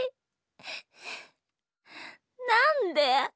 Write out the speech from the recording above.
なんで？